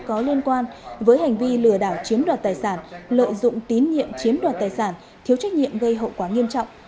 có liên quan với hành vi lừa đảo chiếm đoạt tài sản lợi dụng tín nhiệm chiếm đoạt tài sản thiếu trách nhiệm gây hậu quả nghiêm trọng